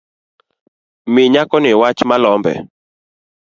Mi nyakoni wach malombe